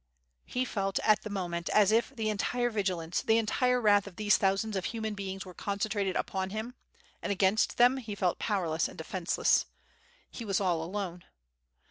He felt at the moment as if the entire vigilance, the entire wrath of these thousands of human beings were concentrated upon him, and against them he felt powerless and defenceless. He was all alone.